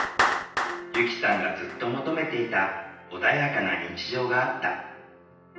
由希さんがずっと求めていた穏やかな日常があった。